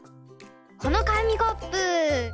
このかみコップ。